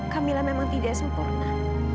kamila memang tidak sempurna